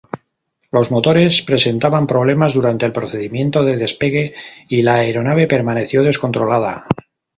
Los motores presentaban problemas durante el procedimiento de despegue y la aeronave permaneció descontrolada.